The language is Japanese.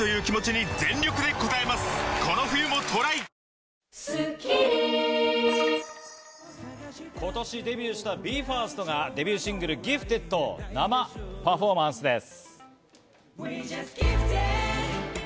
１１月３日には今年デビューしたＢＥ：ＦＩＲＳＴがデビューシングル『Ｇｉｆｔｅｄ．』を生パフォーマンスです。